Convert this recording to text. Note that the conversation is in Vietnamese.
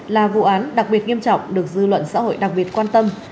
là vụ án đặc biệt nghiêm trọng được dư luận xã hội đặc biệt quan tâm